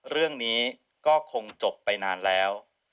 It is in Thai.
เรื่องนี้ก็คงจบไปนานแล้ว